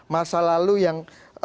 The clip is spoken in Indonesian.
masa lalu yang